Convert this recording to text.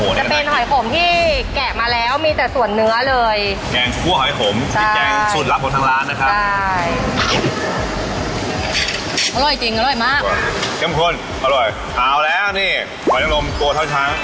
ก็จะเป็นหอยขมที่แกะมาแล้วมีแต่ส่วนเนื้อเลยแกงชักกัวหอยขมใช่เอาแหละนี่หอยนั่งลมตัวเท้าช้าง